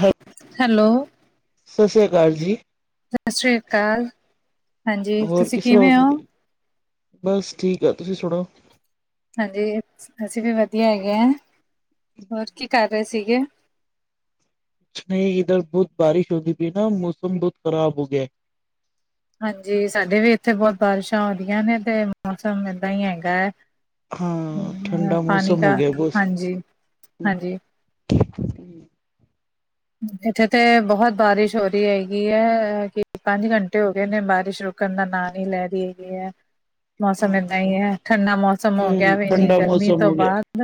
ਹਾਂ। [inaudible] ਹੈਲੋ। ਸਾਸੀਯਾ ਕਾਲ ਜੀ। ਸਅ ਸੀਯਾ ਕਾਲ ਹਾਂਜੀ, ਹੋਰ ਤੁਸੀਂ ਕਿਸ ਤਰ੍ਹਾਂ ਕਿਵੇਂ ਹੋ ਔ ਬਸ, ਠੀਕ ਐ ਤੁਸੀਂ ਸੁਣੋ ਹਾਂਜੀ ਅਸੀਂ ਵੀ ਵਧੀਆ ਹੈਗੇ ਅ, ਹੋਰ ਕੀ ਕਰ ਰਹੇ ਸੀਗੇ ਨਈ ਇਦਰ ਬੋਤ ਬਾਰਿਸ਼ ਹੋਗੀ ਸੀ ਨਾ, ਮੌਸਮ ਬੋਤ ਖਰਾਬ ਹੋ ਗਿਆ ਹਾਂਜੀ ਸਾਡੇ ਵੀ ਇੱਥੇ ਬੋਤ ਬਾਰਿਸ਼ਾਂ ਹੋਂਦੀਯਾ ਨੇ ਤੇ ਮੌਸਮ ਏਦਾਂ ਹੀ ਹੈਗੈ। ਹਾਂ ਠੰਡਾ ਪਾਣੀ ਕ ਮੌਸਮ ਹੋ ਗਿਆ [unintelligible] ਬਸ ਹਾਂਜੀ-ਹਾਂਜੀ [unintelligible] ਇੱਥੇ ਤੇ ਬੋਤ ਬਾਰਿਸ਼ ਹੋ ਰੀ ਹੈਗੀ ਐ ਕਿ ਪੰਜ ਘੰਟੇ ਹੋ ਨੇ [unintelligible] ਬਾਰਿਸ਼ ਰੁਕਣ ਦਾ ਨਾਂ ਨੀ ਲੈ ਰੀ ਹੈਗੀ ਐ ਮੌਸਮ ਏਦਾਂ ਅੱਛਾ ਈ ਐ। ਠੰਡਾ ਮੌਸਮ ਹੋ ਗਯਾ ਹਮ ਵੇ, ਇੰਨੀ ਠੰਡਾ ਗਰਮੀ ਮੌਸਮ ਤੋਂ ਹੋ ਗਿਆ ਬਾਅਦ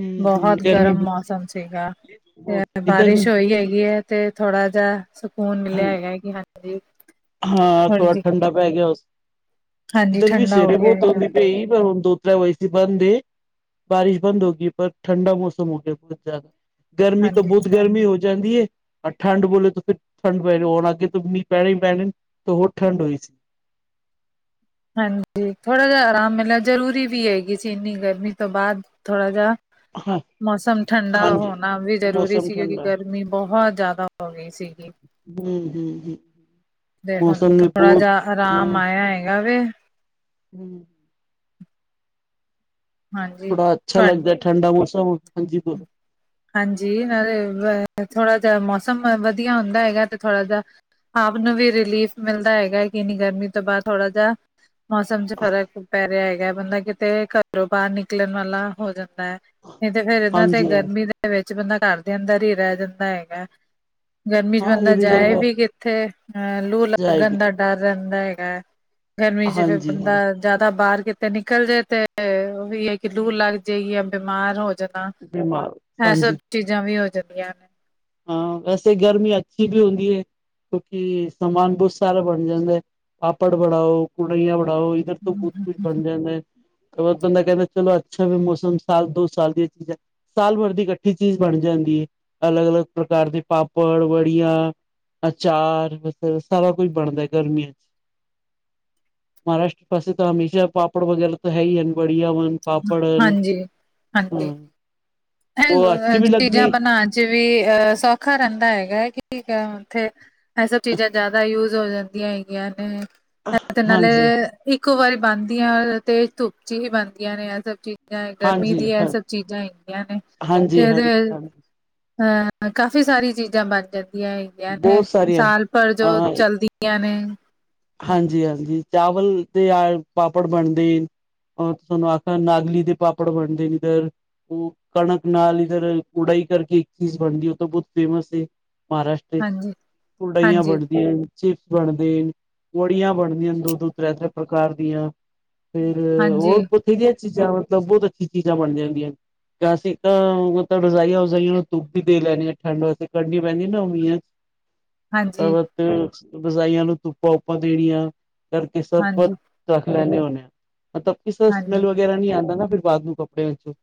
ਹਮ ਹਮ ਬੋਹੋਤ ਗਰਮੀ ਗਰਮ ਮੌਸਮ ਸੀਗਾ, ਫੇ ਬਹੁਤ ਇੱਧਰ ਵੀ ਬਾਰਿਸ਼ ਹੋਈ। ਹੈਗੀ ਹੈ [unintelligible] ਤੇ ਥੋੜਾ ਜਾ ਸਕੂਨ ਮਿਲਿਆ ਹੈਗਾ ਹੈ ਕਿ ਹਾਂਜੀ ਹਾਂ ਥੋੜੀ ਥੋੜਾ ਜੀ ਠੰਡਾ ਪੈ ਗਿਆ ਉਸ, ਹਾਂਜੀ ਇੱਧਰ ਵੀ ਠੰਡਾ ਹੋ ਸਵੇਰੇ ਗਿਆ ਬੋਤ ਹੈਗਾ ਧੂੰਦ ਪਈ ਤੇ ਹੁਣ ਦੋ ਵੈਸੀ ਬੰਦੇ ਏ, ਬਾਰਿਸ਼ ਬੰਦ ਹੋਗੀ ਐ, ਪਰ ਠੰਡਾ ਮੌਸਮ ਹੋ ਗਿਆ ਬੋਤ ਜਾਦਾ ਗਰਮੀ ਤੇ ਹਾਂਜੀ ਬੋਤ ਗਰਮੀ ਹੋ ਜਾਂਦੀ ਏ ਆ ਠੰਢ ਬੋਲੇ ਤਾਂ ਫਿਰ ਠੰਡ ਪੈ [unintelligible] ਹੋਣ ਅੱਗੇ ਤੋਂ ਮੀਂਹ ਪੈਣੇ ਈ ਪੈਣੇ ਨ ਤੇ ਹੋਰ ਠੰਡ ਹੋਈ ਸੀ। ਹਾਂਜੀ ਥੋੜ੍ਹਾ ਜਾ ਆਰਾਮ ਮਿਲਿਆ ਜ਼ਰੂਰੀ ਵੀ ਹੈਗੀ ਸੀ, ਇੰਨੀ ਗਰਮੀ ਤੋਂ ਬਾਅ ਥੋੜ੍ਹਾ ਜਾ ਹਾਂ ਮੌਸਮ ਠੰਡਾ ਹਾਂਜੀ ਹੋਨਾ ਵੀ ਜ਼ਰੂਰੀ ਮੌਸਮ ਸੀ, ਕਿਉਂਕਿ ਠੰਡਾ ਗਰਮੀ ਬੋਹਤ ਜਾਦਾ ਹੋ ਗਈ ਸੀ। ਹਮ ਹਮ ਹਮ ਤੇ ਹੁ ਮੌਸਮ ਨੇ ਥੋੜਾ ਬਹੁਤ ਜਾ ਆਰਾਮ ਆਇਆ ਏ। ਯਾਵੇ ਹੂੰ। ਹਾਂਜੀ ਥੋੜਾ ਅੱਛਾ ਤੁਹਾ ਲੱਗਦਾ ਠੰਡਾ ਮੌਸਮ, ਹਾਂਜੀ ਬੋਲੋ। ਹਾਂਜੀ, ਨਾਲੇ [unintelligible] ਥੋੜਾ ਜਾ ਮੌਸਮ ਵਧੀਆ ਹੁੰਦਾ ਹੈਗਾ ਤੇ ਥੋੜ੍ਹਾ ਜਾ ਆਪ ਨੂੰ ਵੀ ਰਿਲੀਫ਼ ਮਿਲਦਾ ਹੈਗਾ, ਕੀ ਇੰਨੀ ਗਰਮੀ ਤੋਂ ਬਾਦ ਥੋੜਾ ਜਾ ਮੌਸਮ 'ਚ ਫਰਕ ਪੈ ਰਯਾ ਹੈਗਾ ਬੰਦਾ ਕਿ ਤੇ ਘਰੋਂ ਬਾਰ ਨਿਕਲਨ ਵਾਲਾ ਹੋ ਜਾਂਦਾ ਐ, ਨਈ ਤੇ ਫੇਰ ਏਨਾਂ ਤੇ ਹਾਂਜੀ ਹਾਂਜੀ ਗਰਮੀ ਦਾ ਵਿੱਚ ਬੰਦਾ ਘਰ ਦੇ ਅੰਦਰ ਈ ਰਹਿ ਜਾਂਦਾ ਹੈਗਾ। ਗਰਮੀ ਚ ਹਾਂ ਇਹ ਬੰਦਾ ਜਾਏ ਗੱਲ ਵੀ ਕਿੱਥੇ ਅਹ ਲੂ ਜਾਏਗੀ ਲੱਗਣ ਦਾ ਡਰ ਰਹਿੰਦਾ ਹੈਗਾ, ਗਰਮੀ ਚ ਫੇਰ ਹਾਂਜੀ ਹਾਂ ਬੰਦਾ ਜਾਦਾ ਬਾਰ ਕਿਤੇ ਨਿਕਲ ਜਾਏ ਤੇ ਓਹੀ ਹੈ ਕਿ ਲੂ ਲੱਗ ਜਾਏਗੀ ਯਾ ਬਿਮਾਰ ਹੋ ਜਾਨਾ। ਬਿਮਾਰ ਐ ਸਭ ਹਾਂਜੀ ਚੀਜ਼ਾਂ ਵੀ ਹੋ ਜਾਂਦੀਆਂ ਨੇ। ਹਾਂ, ਵੈਸੇ ਗਰਮੀ ਅੱਛੀ ਵੀ ਹੁੰਦੀ ਏ। ਕਿਉਂਕਿ ਸਮਾਨ ਬੋਤ ਸਾਰਾ ਬਨ ਜਾਂਦਾ ਐ। ਪਾਪੜ ਬਣਾਓ, ਕੂੜਈਆਂ ਬਣਾਓ ਫੇਰ ਤੇ ਬੋਤ ਕੁਝ ਬਣ ਜਾਂਦਾ ਐ। ਤੇ ਹੋਰ ਬੰਦਾ ਕਹਿੰਦਾ ਚਲੋ ਅੱਛਾ ਵੀ ਮੌਸਮ ਸਾਲ ਦੋ ਸਾਲ ਦੀਆਂ ਚੀਜ਼ਾਂ ਸਾਲ ਭਰ ਦੀ ਇਕੱਠੀ ਚੀਜ਼ ਬਣ ਜਾਂਦੀ ਏ, ਅਲੱਗ-ਅਲੱਗ ਪ੍ਰਕਾਰ ਦੇ ਪਾਪੜ, ਵੜੀਆਂ ਅਚਾਰ ਵਗੈਰਾ ਸਾਰਾ ਕੁਝ ਬਣਦਾ ਗਰਮੀਆਂ 'ਚ। ਮਹਾਰਾਸ਼ਟਰ ਪਾਸੇ ਤਾਂ ਹਮੇਸ਼ਾ ਪਾਪੜ ਵਗੈਰਾ ਤਾਂ ਹੈ ਈ ਹਨ ਬੜੀਆ ਵ ਪਾਪੜ ਹਨ, ਹਾਂਜੀ, ਹਾਂਜੀ। ਹਾਂ। ਬਹੁਤ ਅੱਛੀ ਵੀ [unintelligible] ਲੱਗਦੀ ਚੀਜ਼ਾਂ ਬਨਾਨ ਵੀ ਅ ਸੌਖਾ ਰਹਿੰਦਾ ਹੈਗਾ ਹੈ ਕੀ [unintelligible] ਓਥੇ ਐ ਸਭ ਚੀਜ਼ਾਂ ਜਾਦਾ ਯੂਜ ਯੂਜ਼ ਹੋ ਜਾਂਦੀਆਂ ਹੈਗੀਆਂ ਨੇ ਤੇ ਨਾਲੇ ਹਾਂਜੀ ਇੱਕ ਵਾਰੀ ਬਨਦੀਆਂ ਤੇ ਧੁੱਪ ਚ ਈ ਬਨਦੀਆਂ ਨੇ ਐ ਸਭ ਚੀਜ਼ ਜਾਂ ਗਰਮੀ ਹਾਂਜੀ ਦੀ ਐ ਹਾਂ ਸਭ ਚੀਜ਼ਾਂ ਹੈਗੀਆਂ ਨੇ ਹਾਂਜੀ ਹਾਂਜੀ ਹਾਂਜੀ [unintelligible] ਹਾਂ ਕਾਫ਼ੀ ਸਾਰੀ ਚੀਜ਼ਾਂ ਬਨ ਜਾਂਦੀਆਂ ਏ। ਦੀਆਂ ਨੇ ਬਹੁਤ ਸਾਰੀਆਂ ਸਾਲ ਭਰ ਜੋ ਚਲਦੀਆਂ ਨੇ। ਹਾਂਜੀ-ਹਾਂਜੀ, ਚਾਵਲ ਦੇ ਆ ਪਾਪੜ ਬਣਦੇਨ ਔਰ ਤੇ ਤੁਆਨੁ ਆਖਯਾ ਨਾਗਲੀ ਦੇ ਪਾਪੜ ਬਣਦੇਨ ਏਧਰ। ਓ ਕਣਕ ਨਾਲ ਇਧਰ ਉਡਾਈ ਕਰਕੇ ਇੱਕ ਚੀਜ਼ ਬਣਦੀ ਓ ਤੇ ਬੋਤ ਫੇਮਸ ਏ। ਮਹਾਰਾਸ਼ਟਰ ਚ, ਹਾਂਜੀ ਉਡਾਈਆਂ ਹਾਂਜੀ ਬਣਦੀਆਂਨ, ਚਿਪਸ ਬਣਦੇਨ। ਵੜੀਆਂ ਬਣਦੀਆਂਨ ਦੋ-ਦੋ, ਤ੍ਰੈ-ਤ੍ਰੈ ਪ੍ਰਕਾਰ ਦੀਆਂ ਫੇਰ ਹਾਂਜੀ ਹੋਰ ਏਹ ਜਿਆਂ ਚੀਜ਼ਾਂ ਮਤਲਬ ਬੋਤ ਅੱਛੀ ਚੀਜ਼ਾਂ ਬਣਦੀਆਂ ਹੂੰਦੀਆਂਨ। ਯਾ ਅਸੀਂ ਤਾਂ ਮਤਲਬ ਰਜਾਈਆਂ ਵਜਾਈਆਂ ਨੂੰ ਧੁਪ ਵੀ ਦੇ ਲੈਨੇਨ ਠੰਡ ਵਾਸਤੇ ਕੱਢੀ ਪੈਂਦੀਆਂ ਨਾ ਓ ਮੀਆਂ 'ਚ। ਹ ਤਾਂ ਹਾਂਜੀ ਵਾਸਤੇ ਰਜਾਇਆਂ ਨੂੰ ਧੁੱਪਾਂ ਵੁਪਾ ਦੇਣੀਆਂ ਕਰਕੇ ਸਭ ਹਾਂਜੀ ਰੱਖ ਲੈਂਨੇ ਹੋਨੇ ਆਂ ਮਤਲਬ ਇਸ [unintelligible] ਹਾਂਜੀ ਸਮੈਲ ਵਗੈਰਾ ਨੀ ਆਂਦਾ ਨਾ ਫਿਰ ਬਾਦ ਨੂੰ ਕੱਪੜੇਆਂ ਵਿੱਚ।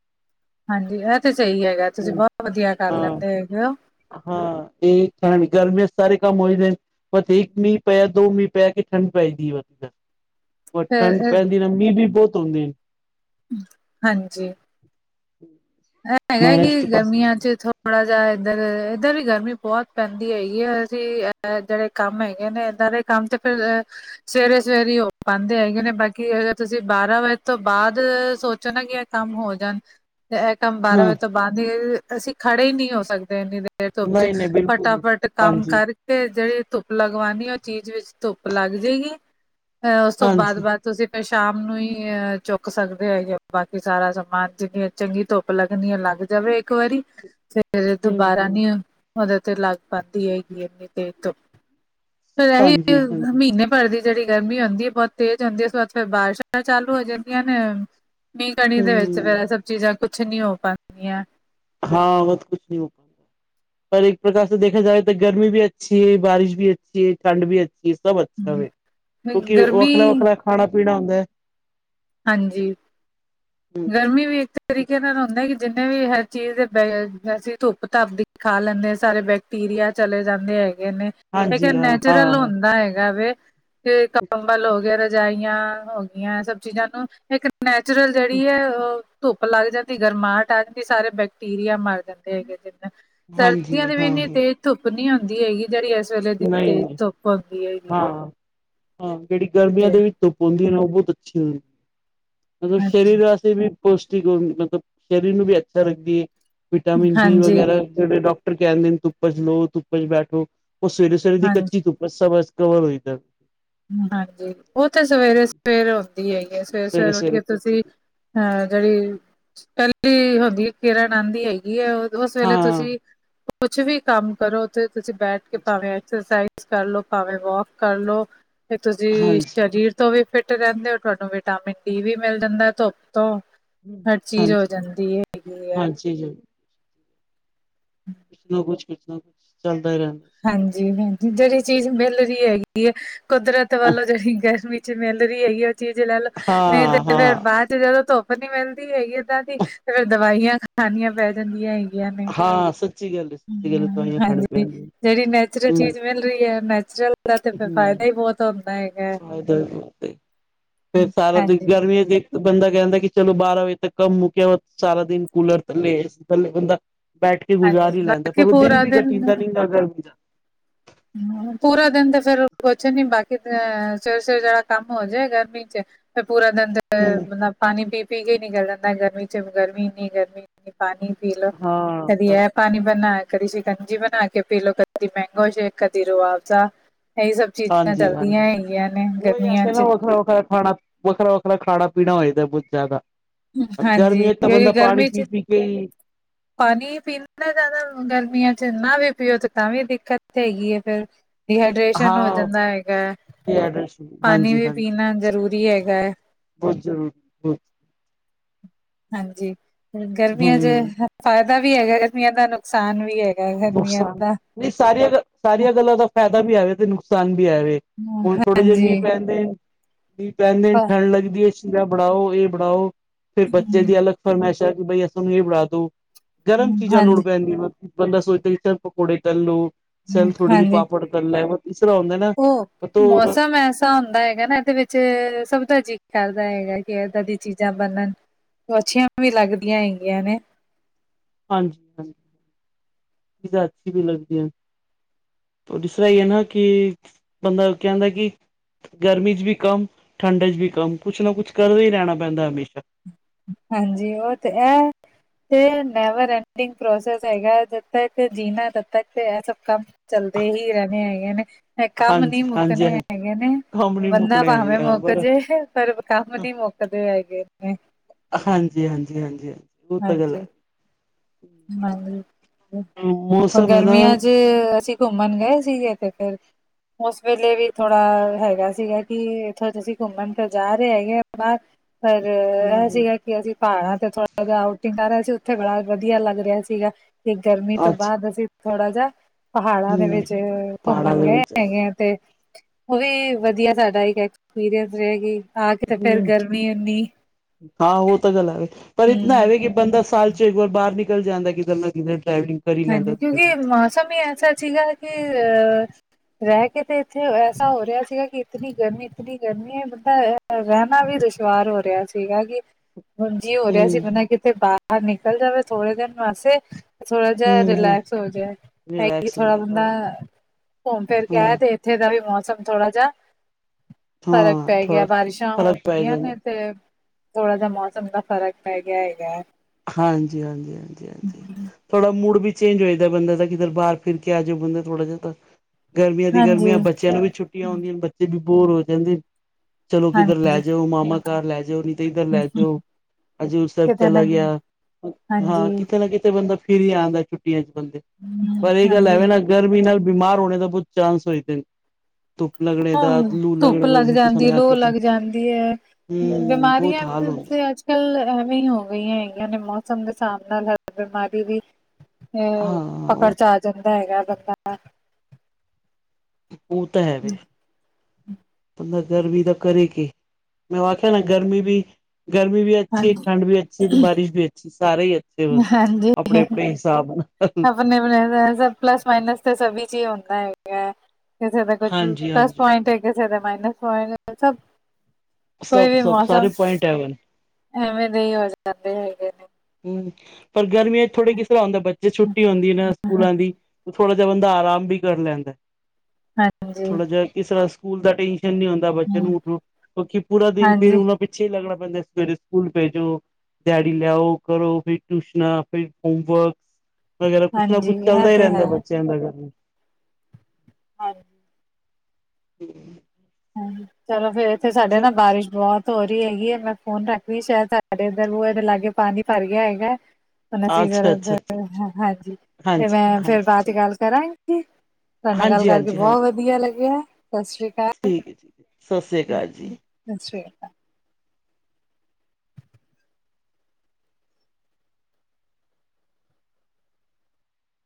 ਹਾਂਜੀ, ਐ ਤੇ ਸਹੀ ਹੈਗਾ ਤੁਸੀਂ ਬੋਤ ਵਧੀਆ ਕਰ ਹਾਂ ਲੈਂਦੇ ਹੈਗੇ ਓ। ਹਾਂ, ਏ [unintelligible] ਗ਼ਰਮੀਆਂ 'ਚ ਸਾਰੇ ਕੰਮ ਹੋਈ ਦੇਨ ਬਸ ਏਕ ਮੀਂਹ ਪੈ ਦੋ ਮੀਂਹ ਪੈ ਕੇ ਠੰਡ ਪੈਦੀ, ਵ ਠੰਡ ਫਿਰ ਪੈਂਦੀ ਨਾ ਮੀਂਹ ਵੀ ਬਹੁਤ ਆਉਂਦੇ ਨੇ। ਹਾਂਜੀ। ਹ ਹੈਗਾ ਕਿ ਗਰਮੀਆਂ ਚ ਥੋੜ ਥੋੜ੍ਹਾ ਜਿਹਾ ਇੱਧਰ, ਇੱਧਰ ਵੀ ਗਰਮੀ ਬਹੁਤ ਪੈਂਦੀ ਹੈਗੀ ਹੈ। ਅਸੀਂ ਅ ਜਿਹੜੇ ਕੰਮ ਹੈਗੇ ਨੇ ਇੱਦਾਂ ਦੇ ਕੰਮ ਤੇ ਫੇਰ। ਸਵੇਰੇ ਸਵੇਰੇ ਹੀ ਹੋ ਪਾਉਂਦੇ ਹੈਗੇ ਨੇ, ਬਾਕੀ ਅਗਰ ਤੁਸੀਂ ਬਾਰਾਂ ਵਜੇ ਤੋਂ ਬਾਅਦ ਸੋਚੋ ਨਾ ਕਿ। ਕੰਮ ਹੋ ਜਾਣ ਤੇ, ਇਹ ਕੰਮ ਬਾਰਾਂ ਹਾਂ ਵਜੇ ਤੋਂ ਬਾਅਦ ਹੀ ਅਸੀਂ ਖੜੇ ਨਹੀਂ ਹੋ ਸਕਦੇ ਇੰਨੀ ਦੇ। ਫਿਰ ਧੁੱਪ ਚ ਨਹੀਂ ਨਹੀਂ ਬਿਲਕੁਲ ਨਹੀਂ ਫਟਾਫਟ ਕੰਮ ਹਾਂਜੀ ਕਰਕੇ। ਤੇ ਜਿਹੜੀ ਧੁੱਪ ਲਗਵਾਣੀ ਉਹ ਚੀਜ਼ ਵਿੱਚ ਧੁੱਪ ਲੱਗ ਜਾਏਗੀ, ਅ ਉਸ ਤੋਂ ਬਾਅਦ ਹਾਂਜੀ ਬਾਅਦ। ਤੁਸੀਂ ਫਿਰ ਸ਼ਾਮ ਨੂੰ ਹੀ ਅ ਚੁੱਕ ਸਕਦੇ ਹੈਗੇ ਬਾਕੀ ਸਾਰਾ ਸਮਾਨ ਜਿੰਨੀਆਂ ਚੰਗੀ ਧੁੱਪ। ਲੱਗਦੀ ਆ ਲੱਗ ਜਾਵੇ ਇੱਕ ਵਾਰੀ ਫੇਰ ਹਮ ਦੁਬਾਰਾ ਹਮ ਨੀ। ਮਦਦ ਲੱਗ ਪਉਦੀ ਹੈਗੀ ਇੰਨੀ ਦੇਰ ਤੋਂ, ਫਿਰ ਇਹੀ ਹਾਂਜੀ ਹਾਂਜੀ ਮਹੀਨੇ। ਭਰ ਦੀ ਜਿਹੜੀ ਗਰਮੀ ਹੁੰਦੀ ਹੈ, ਬਹੁਤ ਤੇਜ਼ ਹੁੰਦੀ ਹੈ। ਇਸ ਬਾਅਦ ਫਿਰ ਬਾਰਿਸ਼ਾਂ ਚਾਲੂ ਹੋ ਜਾਂਦੀਆਂ ਨੇ। ਮੀਂਹ ਕਣੀ ਦੇ ਵਿੱਚ ਹਮ ਵੈ ਸਭ ਚੀਜ਼ਾਂ ਕੁਛ ਨੀ ਹੋ ਪਾਉਂਦੀਆਂ। ਹਾਂ ਬਹੁਤ ਕੁਛ ਨਹੀਂ ਹੋ ਪਾ। ਪਰ ਇੱਕ ਪ੍ਰਕਾਰ ਦੇਖਾ ਜਾਏ ਤਾਂ ਗਰਮੀ ਵੀ ਅੱਛੀ ਹੈ, ਬਾਰਿਸ਼ ਵੀ ਅੱਛੀ, ਹੈ ਠੰਡ ਵੀ ਅੱਛੀ। ਚੀਜ ਸਭ ਅੱਛਾ ਹਮ, ਹੋਵੇ ਕਿਉਂਕਿ ਵੱਖਰਾ ਗਰਮੀ ਵੱਖਰਾ ਖਾਣਾ ਪੀਣਾ ਹੁੰਦਾ ਹੈ। ਹਾਂਜੀ, ਗਰਮੀ ਵੀ ਇੱਕ ਤਰੀਕੇ ਨਾਲ ਹੁੰਦੇ ਕਿ ਜਿੰਨੇ ਵੀ ਇਹ ਚੀਜ਼ ਅਸੀਂ ਧੁੱਪ ਧੱਪ ਦੀ ਖਾ ਲੈਂਦੇ ਹਾਂ ਸਾਰੇ ਬੈ। ਟੀਰੀਆ ਚਲੇ ਜਾਂਦੇ ਹੈਗੇ ਨੇ। ਇੱਕ ਹਾਂਜੀ ਹਾਂ ਨੈਚੁਰਲ ਹਾਂ ਹੁੰਦਾ ਹੈਗਾ ਵ, ਕੰਬਲ ਹੋ ਗਿਆ। ਰਜਾਈਆਂ ਹੋ ਗੀਆਂ ਸਭ ਚੀਜ਼ਾਂ ਨੂੰ, ਇੱਕ ਨੈਚੁਰਲ ਜਿਹੜੀ ਹੈ ਉਹ। ਧੁੱਪ ਲੱਗ ਜਾਂਦੀ ਗਰਮਾਹਟ ਆ ਜਾਂਦੀ। ਸਾਰੇ ਬੈਕਟੀਰੀਆ ਮਰ ਜਾਂਦੇ। ਹੈ ਜਾਂ ਹਾਂਜੀ ਸਰਦੀਆਂ ਦੇ ਵੀ ਹਾਂ ਇੰਨੀ ਹਾਂ ਤੇਜ਼। ਧੁੱਪ ਨੀ ਆਉਂਦੀ ਹੈਗੀ ਜਿਹੜੀ ਇਸ ਵੇਲੇ ਦੀ ਨਹੀਂ ਤੇਜ਼ ਨਹੀਂ ਧੁੱਪ ਆਉਂਦੀ ਹੈਗੀ ਆ। ਹਾਂ ਹਾਂ ਜਿਹੜੀ ਗਰਮੀਆਂ ਦੇ ਵਿੱਚ ਧੁੱਪ ਹੁੰਦੀ ਹੈ ਨਾ ਉਹ ਬਹੁਤ ਅੱਛੀ ਹੁੰਦੀ ਹੈ। ਮਤਲਬ ਹਾਂਜੀ ਸਰੀਰ ਵਾਸਤੇ। ਵੀ ਪੌਸ਼ਟਿਕ ਮਤਲਬ ਸਰੀਰ ਨੂੰ ਵੀ ਅੱਛਾ ਰੱਖਦੀ ਹੈ। ਵਿਟਾਮਿਨ ਡੀ ਹਾਂਜੀ ਵਗੈਰਾ, ਜਿਹੜੇ ਡਾਕਟਰ ਕਹਿੰਦੇ ਨੇ ਧੁੱਪ ਚ ਲੋਓ, ਧੁੱਪ ਚ ਬੈਠੋ ਉਹ ਸਵੇਰੇ ਸਵੇਰੇ ਦੀ ਹਾਂਜੀ ਕੱਚੀ ਧੁੱਪ। ਮ ਸ ਬਸ ਕਵਰ ਹੋਈ। ਹਾਂਜੀ, ਉਹ ਤੇ ਸਵੇਰੇ ਸਵੇਰ ਆਉਂਦੀ ਹੈ ਹੀ ਹੈ, ਸਵੇਰੇ ਸਵੇਰੇ ਉੱਠੀ ਤੁਸੀਂ। ਹਾਂ ਜਿਹੜੀ ਪਹਿਲੀ ਹੁੰਦੀ ਹੈ ਕਿਰਨ ਆਂਦੀ ਹੈਗੀ ਹੈ ਉਸ ਵੇਲੇ ਹਾਂ ਤੁਸੀਂ। ਕੁਛ ਵੀ ਕੰਮ ਕਰੋ ਤੇ ਤੁਸੀਂ ਬੈਠ ਕੇ ਭਾਵੇਂ। ਐਕਸਰਸਾਈਜ਼ ਕਰ ਲੋ ਭਾਵੇਂ ਵੋਕ ਕਰ ਲਓ ਫਿਰ ਤੁਸੀਂ ਹਾਂਜੀ ਸਰੀਰ। ਤੋਂ ਵੀ ਫਿੱਟ ਰਹਿੰਦੇ ਹੋ ਤੁਹਾਨੂੰ ਵਿਟਾਮਿਨ ਡੀ ਵੀ ਮਿਲ ਜਾਂਦਾ ਧੁੱਪ ਤੋਂ। ਹਰ ਚੀਜ਼ ਹੋ ਜਾਂਦੀ ਹੈਗੀ ਹੈ। ਜੀ ਜੀ ਕੁਛ ਨਾ ਕੁਛ ਕੁਛ ਨਾ ਚਲਦਾ ਹੀ ਰਹਿੰਦਾ। ਸਰੀਰ ਹਾਂਜੀ, ਨਾਲ ਹਾਂਜੀ ਜਿਹੜੀ ਚੀਜ਼ ਮਿਲ ਰਹੀ ਹੈਗੀ ਹੈ, ਕੁਦਰਤ ਵੱਲੋਂ ਜਿਹੜੀ ਗਰਮੀ। ਮਿਲ ਰਹੀ ਹੈਗੀ ਉਹ ਚੀਜ਼ ਲੈ ਲਓ, ਨਹੀਂ ਤੇ ਹਾਂ ਫਿਰ ਹਾਂ ਬਾਅਦ। ਜਿਆਦਾ ਧੁੱਪ ਨੀ ਮਿਲਦੀ ਹੈਗੀ ਏਦਾਂ ਦੀ, ਤੇ ਫਿਰ ਦਵਾਈਆਂ ਖਾਣੀਆਂ ਪੈ ਜਾਂਦੀਆਂ ਹੈਗੀਆਂ ਨੇ। ਹਾਂ ਸ ਹਾਂਜੀ, ਜਿਹੜੀ ਨੈਚੁਰਲ ਹਮ ਚੀਜ਼ ਮਿਲ ਰਹੀ ਹੈ ਨੈਚੁਰਲ। ਦਾ ਤੇ ਫਿਰ ਹਮ ਫਾਇਦਾ ਹੀ ਬਹੁਤ ਹੁੰਦਾ ਹੈਗਾ। ਫਿਰ ਸਾਰਾ ਦਿਨ ਹਾਂਜੀ-ਹਾਂਜੀ ਗਰਮੀਆਂ ਦੇ। ਬੰਦਾ ਕਹਿੰਦਾ ਕਿ ਚਲੋ ਬਾਰਾਂ ਵਜੇ ਤੱਕ ਕੰਮ ਮੁੱਕਿਆ ਵ ਸਾਰਾ ਦਿਨ ਕੂਲਰ ਥੱਲੇ ਏ ਸੀ ਥੱਲੇ ਬੰਦਾ ਬੈਠ ਕੇ ਗੁਜ਼ਾਰ ਹੀ ਲੈਂਦਾ, ਬਾਕੀ ਪਰ ਉਹ ਦਿਨ ਪੂਰਾ ਵੀ ਕਟਿੰਦਾ ਨਹੀਂ ਦਾ ਗਰਮੀ ਦਾ। ਪੂਰਾ ਦਿਨ ਤੇ ਫੇਰ ਕੁੱਛ ਨੀ, ਬਾਕੀ ਸਵੇਰ-ਸਵੇਰ ਜੇਣਾ ਕੰਮ ਹੋ ਜਾਏ ਗਰਮੀ ਚ। ਫਿਰ ਪੂਰਾ ਦਿਨ ਤੇ ਹੂੰ ਬੰਦਾ ਪਾਣੀ ਪੀ-ਪੀ ਕੇ ਨਿਕਲ ਜਾਂਦਾ ਗਰਮੀ ਚ ਗਰਮੀ ਇੰਨੀ ਗਰਮੀ। ਪਾਣੀ ਪੀ ਲੋ ਕਦੀ ਹਾਂ ਇਹ ਪਾਣੀ ਬਣਾ, ਕਦੀ ਸ਼ਿਕੰਜੀ ਬਣਾ ਕੇ ਪੀ ਲੋ ਕਦੀ ਮਹਿੰਗੋ ਸੇਖ, ਕਦੀ ਰੁਆਫਜਾ। ਇਹੀ ਸਭ ਚੀਜ਼ਾਂ ਹਾਂਜੀ ਚੱਲਦੀਆਂ ਹੈਗੀਆਂ ਨੇ ਗਰਮੀਆਂ ਚ। ਖਲੋ ਕੇ ਖਾਣਾ ਵੱਖਰਾ-ਵੱਖਰਾ ਖਾਣਾ-ਪੀਣਾ ਹੋ ਜਾਂਦਾ ਬਹੁਤ ਜ਼ਿਆਦਾ। ਹਾਂਜੀ ਗਰਮੀ ਤਾਂ ਕਿਉਂਕਿ ਬੰਦਾ ਪਾਣੀ ਗਰਮੀ ਚ ਪੀ-ਪੀ ਕੇ ਹੀ ਪਾਣੀ ਪੀਣਾ ਜ਼ਿਆਦਾ ਗਰਮੀਆਂ ਚ ਨਾ ਵੀ ਪੀਓ ਤੇ ਤਾਂਵੀ ਦਿੱਕਤ ਹੈਗੀ ਹੈ ਫੇਰ। ਡੀਹਾਈਡ੍ਰੇਸ਼ਨ ਹੋ ਹਾਂ ਜਾਂਦਾ ਹੈਗਾ ਹੈ ਪਾਣੀ ਹਾਂਜੀ ਵੀ ਹਾਂਜੀ ਪੀਣਾ ਜ਼ਰੂਰੀ ਹੈਗਾ ਹੈ। ਬਹੁਤ ਜਰੂਰੀ ਬਹੁਤ। ਹਾਂਜੀ, ਬਹੁਤ ਗਰਮੀਆਂ ਚ ਹਮ ਫਾਇਦਾ ਵੀ ਹੈਗਾ ਗਰਮੀਆਂ ਦਾ ਨੁਕਸਾਨ ਵੀ ਹੈਗਾ। ਗਰਮੀਆਂ ਨੁਕਸਾਨ ਦਾ। ਨਹੀਂ ਸਾਰੀਆਂ-ਸਾਰੀਆਂ ਗੱਲਾਂ ਦਾ ਫਾਇਦਾ ਵੀ ਹੈਵੇ ਤੇ ਨੁਕਸਾਨ ਵੀ ਹੈਵੇ। ਹੁਣ ਥੋੜੇ ਜਿਹੇ ਹਾਂਜੀ ਮੀਂਹ ਪੈਂਦੇ ਮੀਂਹ ਪੈਂਦੇ ਠੰਢ ਲੱਗਦੀ ਹੈ ਸ਼ੀਰਾ ਬਣਾਓ ਇਹ ਬਣਾਓ ਫੇਰ ਬੱਚੇ ਦੀ ਅਲੱਗ ਫਰਮਾਇਸ਼ਾ ਕਿ ਬਈ ਸਾਨੂੰ ਇਹ ਬਣਾ ਦੋ ਗਰਮ ਚੀਜ਼ਾਂ ਲੋੜ ਹਾਂਜੀ। ਪੈਂਦੀਆਂ। ਬੰਦਾ ਸੋਚਦਾ ਕਿ ਇਕ ਤਰਫ ਪਕੌੜੇ ਤਲ ਲੋ ਚਲ ਥੋੜੀ ਜਿਹੀ ਹਾਂਜੀ ਪਾਪੜ ਤਲਲੈ, ਇਸ ਤਰ੍ਹਾਂ ਹੁੰਦਾ ਨਾ ਉਹ ਮੌਸਮ ਐ ਹੁੰਦਾ ਹੈਗਾ ਨਾ ਇਹਦੇ ਵਿੱਚ ਸਭ ਦਾ ਜੀ ਕਰਦਾ ਹੈਗਾ ਕਿ ਇਏਦਾਂ ਦੀ ਚੀਜ਼ਾਂ ਬਣਨ। ਪਂਛਿਆਂ ਵੀ ਲੱਗਦੀਆਂ ਹੈਗੀਆਂ ਨੇ। ਹਾਂਜੀ-ਹਾਂਜੀ, ਅੱਛੀ ਵੀ ਲੱਗਦੀ ਹੈ। ਜੋ ਜਿਸ ਤਰਾ ਹੀ ਹੈ ਨਾ ਕਿ ਬੰਦਾ ਕਹਿੰਦਾ ਕਿ ਗਰਮੀ ਚ ਵੀ ਕੰਮ ਠੰਡ ਚ ਵੀ ਕੰਮ ਕੁਛ ਨਾ ਕੁਛ ਕਰਦੇ ਹੀ ਰਹਿਣਾ ਪੈਂਦਾ ਹਮੇਸ਼ਾ। ਹਾਂਜੀ ਉਹ ਤੇ ਇਹ ਤੇ ਨੈਵਰੜ ਏਕਟਿਵ ਪਰੋਸ ਹੈਗਾ ਜਦ ਤੱਕ ਜੀਣਾ ਤਦ ਤੱਕ ਇਹ ਸਭ ਕੰਮ ਚੱਲਦੇ ਹੀ ਰਹਿਣੇ ਹੈਗੇ ਨੇ ਕੰਮ ਨਹ ਹਾਂਜੀ ਹਾਂਜੀ ਮੁੱਕਣੇ ਹਾਂ ਹੈਗੇ ਨੇ। ਕੰਮ ਨੀ ਬੰਦਾ ਮੁੱਕਣੇ ਭਾਵੇਂ ਹੈਗੇ ਹਾਂ ਮੁੱਕ ਪਰ ਜੇ ਪਰ ਕੰਮ ਨੀ ਮੁੱਕਦੇ ਹੈਗੇ ਨੇ। ਹਾਂਜੀ-ਹਾਂਜੀ-ਹਾਂਜੀ-ਹਾਂਜੀ ਉਹ ਤਾਂ ਗਲ ਹਾਂਜੀ ਹੈ। ਹਾਂਜੀ, ਹੋਰ ਮੌਸਮ ਹੈ ਨਾ ਗਰਮੀਆਂ ਚ ਅਸੀਂ ਘੁੰਮਣ ਗਏ ਸੀਗੇ ਤੇ ਇਕ ਫਾਰੀ। ਉਸ ਵੇਲੇ ਵੀ ਥੋੜਾ ਹੈਗਾ ਸੀਗਾ ਕਿ ਇੱਥੋਂ ਤੁਸੀਂ ਘੁੰਮਣ ਤੇ ਜਾ ਰਹੇ ਹੈਗੇ ਅਪਨਾ ਪਰ ਇਹੋ ਹੂੰ ਜਿਹੀ ਹੈ ਕਿ ਅਸੀਂ ਪਹਾੜਾਂ ਤੇ ਥੋੜਾ ਜਿਹਾ ਆਊਟਿੰਗ ਕਰਹੇ ਸੀ ਉੱਥੇ ਬੜਾ ਵ ਵਧੀਆ ਲੱਗ ਰਿਹਾ ਸੀਗਾ ਕਿ ਗਰਮੀ ਤੋਂ ਅੱਛਾ ਬਾਅਦ ਅਸੀਂ ਥੋੜਾ ਜਾਹਾ ਪਹਾੜਾਂ ਦੇ ਹੂੰ ਵਿੱਚ ਪਹਾੜਾਂ ਘੁੰਮਣ ਦੇ ਗਏ ਵਿੱਚ ਹੈਗੇ ਆ ਤੇ ਉਹ ਵੀ ਵਧੀਆ ਸਾਡਾ ਇੱਕ ਐਕਸਪੀਰੀਅੰਸ ਰਹੇਗੀ। ਹੂੰ, ਹਾਂ ਉਹ ਤਾਂ ਗੱਲ ਆਵੇ ਪਰ ਇਤਨਾ ਹੂੰ ਆਵੇ ਕਿ ਬੰਦਾ ਸਾਲ ਚ ਇਕ ਵਾਰ ਬਾਹਰ ਨਿਕਲ ਜਾਂਦਾ ਕਿਧਰ ਨਾ ਕਿਧਰ ਡਰਾਈਵਲਿੰਗ। ਹਾਂਜੀ, ਕਿਉਂਕਿ ਮੌਸਮ ਹੀ ਐਸਾ ਸੀਗਾ ਕੇਹ ਰਹਿ ਕੇ ਤੇ ਇੱਥੇ ਐਸਾ ਹੋ ਰਿਹਾ ਸੀਗਾ ਕਿ ਇਤਨੀ ਗਰਮੀ, ਇਤਨੀ ਗਰਮੀ ਹੈ ਬੰਦਾ ਰਹਿਣਾ ਵੀ ਦੁਸ਼ਵਾਰ ਹੋ ਰਿਹਾ ਸੀਗਾ ਕਿ ਅ [unintelligible] ਹੁਣਜੀ ਹੋ ਰਿਹਾ ਸੀ ਬੰਦਾ ਕਿਤੇ ਬਾਹਰ ਨਿਕਲ ਜਾਵੇ ਥੋੜੇ ਦਿਨ ਘਾਰ ਸੇ ਥੋੜੇ ਜਰਾ ਹੂੰ ਹੂੰ ਰਿਲੈਕਸ ਹੋ ਜਾਏ ਹੈਕੀ ਰਿਲੈਕਸ ਹੋ ਥੋੜਾ ਬੰਦਾ ਜਾਂਦਾ ਘੁੰਮ ਫੇਿਰ ਕੇ ਹਾਂ ਆ ਦੇ ਇੱਥੇ ਦਾ ਵੀ ਮੌਸਮ ਥੋੜਾ ਜਿਹਾ ਫ਼ਰਕ ਹਾਂ ਪੈ ਗਿਆ ਥੋੜਾ ਬਾਰਿਸ਼ਾਂ ਹੋ ਫ਼ਰਕ ਪੈ ਗਈਆਂ ਜਾਂਦਾ ਨੇ। ਤੇ ਥੋੜਾ ਜਿਹਾ ਮੌਸਮ ਦਾ ਫ਼ਰਕ ਪੈ ਗਿਆ ਹੈਗਾ ਹੈ ਹਾਂਜੀ ਹਾਂਜੀ ਹਾਂਜੀ ਹਾਂਜੀ ਥੋੜਾ ਮੂਡ ਵੀ ਚੇਂਜ ਹੋ ਜਾਂਦਾ ਬੰਦੇ ਦਾ ਕਿੱਧਰ ਬਾਹਰ ਫਿਰ ਕੇ ਆ ਜਾਵੇ ਬੰਦਾ ਥੋੜਾ ਜਿਹਾ ਤਾਂ ਗਰਮੀਆਂ ਦੀ ਗਰਮੀਆਂ ਹਾਂਜੀ-ਹਾਂਜੀ ਬੱਚਿਆਂ ਨੂੰ ਵੀ ਛੁੱਟੀਆਂ ਆਉਂਦੀਆਂ ਨੇ ਬੱਚੇ ਵੀ ਬੋਰ ਹੋ ਜਾਂਦੇ ਨੇ। ਚਲੋ ਕਿੱਧਰ ਲੈ ਜਾਓ ਮਾਮਾ ਘਰ ਲੈ ਜਾਓ ਨਹੀਂ ਤੇ ਇੱਧਰ ਲੈ ਜਾਓ ਹਜੂਰ ਸਾਹਿਬ ਕਿਤੇ ਚਲਾ ਨਾ ਕਿ ਗਿਆ ਹਾਂਜੀ ਹਾਂ ਕਿਤੇ ਨਾ ਕਿਤੇ ਬੰਦਾ ਫਿਰ ਜਾ ਆਉਂਦਾ ਛੁੱਟੀਆਂ ਚ ਬੰਦੇ ਹੂੰ, ਪਰ ਇਹ ਗੱਲ ਹਾਂਜੀ ਐਵੇਂ ਨਾ। ਗਰਮੀ ਨਾਲ ਬਿਮਾਰ ਹੋਣੇ ਦਾ ਬਹੁਤ ਚਾਂਸ ਹੋਏ ਤੇ ਹਾਂ ਧੁੱਪ ਦਾ ਲੱਗ ਜਿਸ ਤੁਸੀਂ ਜਾਂਦੀ ਹੈ ਨੇ ਲੂਹ ਆਖਿਆ ਲੱਗ ਹੂੰ ਜਾਂਦੀ ਹੈ ਬਹੁਤ ਬਿਮਾਰੀਆਂ ਹਾਲ ਹੁਣ ਹੁੰਦੇ ਫਿਰ ਅੱਜ ਕੱਲ ਐਵੇਂ ਹੀ ਹੋ ਗਈਆਂ ਹੈਗੀਆਂ ਨੇ ਮੌਸਮ ਦੇ ਹਿਸਾਬ ਨਾਲ ਹਰ ਬਿਮਾਰੀ ਵੀ ਤੇ ਹਾਂ ਪਕੜ ਉਹ ਚ ਆ ਜਾਂਦਾ ਹੈਗਾ ਬੰਦਾ ਉਹ ਤਾਂ ਹੈਵੇ। ਦਾ ਗਰਮੀ ਤਾਂ ਕਰੇ ਕੀ ਮੈਂ ਵਖਿਆ ਨਾ ਗਰਮੀ ਵੀ ਗਰਮੀ ਵੀ ਅੱਛੀ, ਹਾਂਜੀ ਠੰਡ ਵੀ ਅੱਛੀ ਤੇ ਬਾਰਿਸ਼ ਵੀ ਅੱਛੀ ਸਾਰੇ ਹੀ ਅ ਹਾਂਜੀ, ਨਾਲ ਰੱਬ ਨੇ ਬਣਾਇਆ ਸਭ ਪਲਸ ਮਾਈਨਸ ਤੇ ਸਬੀ ਚ ਈ ਹੁੰਦਾ ਹੈਗੈ, ਕਿਸੇ ਦਾ ਕੁੱਝ ਹਾਂਜੀ ਪਲਸ ਹਾਂਜੀ ਪੁਆਇੰਟ ਕਿਸੇ ਦਾ ਮਾਈਨਸ ਪੁਆਇੰਟ ਨੇ ਸਬ, ਕੋਈ ਸਭ ਵੀ ਸਭ ਮੌਸਮ ਸਾਰੇ ਪੁਆਇੰਟ ਹੈਵਨ ਐਵੇਂ ਦੇ ਈ ਹੋ ਜਾਂਦੇ ਹੈਗੇ ਨੇ। ਹੂੰ, ਪਰ ਗਰਮੀਆਂ ਚ ਥੋੜੀ ਕਿਸੇ ਤਰਾਂ ਹੁੰਦਾ ਬੱਚੇ, ਛੁੱਟੀ ਹੁੰਦੀ ਨਾ ਸਕੂਲਾਂ ਦੀ ਥੋੜਾ ਜਿਹਾ ਬੰਦਾ ਆਰਾਮ ਵੀ ਕਰ ਲੈਂਦੈ, ਹਾਂਜੀ ਥੋੜਾ ਜਿਹਾ ਕਿਸੇ ਵਾਸ ਸਕੂਲ ਦਾ ਟੈਨਸ਼ਨ ਨੀ ਹੁੰ ਹੁੰਦਾ ਬੱਚੇ ਹੂੰ, ਨੂੰ ਉੱਠੋ ਕਿਉਂਕਿ ਪੂਰਾ ਦਿਨ ਹਾਂਜੀ ਫਿਰ ਉਹਨੂੰ ਪਿੱਛੇ ਈ ਲੱਗਨਾ ਪੈਂਦਾ ਸਵੇਰੇ ਸਕੂਲ ਭੇਜੋ, ਦਿਹਾੜੀ ਲਿਆਓ ਕਰੋ ਫੇਰ ਟਯੂਸ਼ਨਾਂ, ਫੇਰ ਹੋਮਵਰਕ ਵਗੈਰਾ ਕੁਛ ਨਾ ਹਾਂਜੀ ਕੁਛ ਇਹ ਚੱਲਦਾ ਈ ਤੇ ਹੈ। ਰਹਿਦਾ ਬੱਚਾ ਬੱਚਿਆਂ ਦਾ ਹੈਗਾ ਹਾਂਜੀ। ਹੂੰ। ਹੂੰ, ਚਲੋ ਫੇਰ ਇੱਥੇ ਸਾਡੇ ਨਾ ਬਾਰਿਸ਼ ਬੋਤ ਹੋ ਰੀ ਹੈਗੀ ਏ, ਮੈਂ ਫੋਨ ਰੱਖਦੀ ਸ਼ਾਇਦ ਸਾਡੇ ਐਧਰ ਬੂਏ ਦੇ ਲਾਗੇ ਪਾਨੀ ਭਰ ਗਿਆ ਹੋਏਗਾ। ਅੱਛਾ ਅੱਛਾ ਅੱਛਾ ਅੱਛਾ, [unintelligible] ਹਾਂਜੀ, ਤੇ ਹਾਂਜੀ ਮੈਂ ਫੇਰ ਹਾਂਜੀ ਬਾਦ ਚ ਠੀਕ ਗੱਲ ਕਰਾਂ ਹਾਂਜੀ ਤੁਹਾਡੇ ਨਾਲ ਗੱਲ ਹਾਂਜੀ ਕਰਕੇ ਹਾਂਜੀ ਬਹੁਤ ਹਾਂਜੀ ਵਧੀਆ ਲੱਗਿਆ ਸਤਿ ਸ੍ਰੀ ਅਕਾਲ। ਠੀਕ ਐ ਜੀ, ਸਤਿ ਸ੍ਰੀ ਅਕਾਲ। ਸਤਿ ਸ੍ਰੀ ਅਕਾਲ।